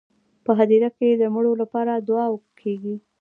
په هدیره کې د مړو لپاره دعا کیږي.